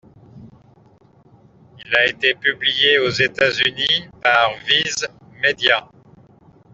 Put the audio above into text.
Il a été publié aux États Unis par Viz Media.